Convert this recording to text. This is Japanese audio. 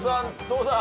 どうだ。